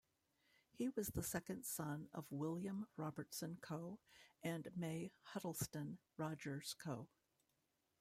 He was the second son of William Robertson Coe and Mai Huttleston Rogers Coe.